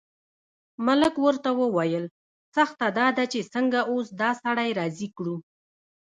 ملک ورته وویل سخته همدا ده چې څنګه اوس دا سړی راضي کړو.